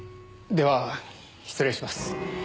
では失礼します。